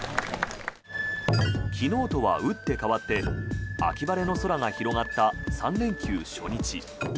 昨日とは打って変わって秋晴れの空が広がった３連休初日。